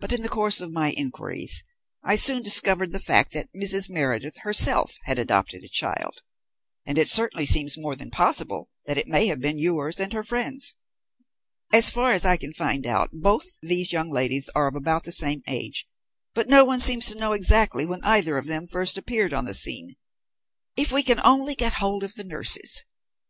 But in the course of my inquiries I soon discovered the fact that Mrs. Meredith herself had adopted a child, and it certainly seems more than possible that it may have been yours and her friend's. As far as I can find out, both these young ladies are of about the same age, but no one seems to know exactly when either of them first appeared on the scene. If we can only get hold of the nurses!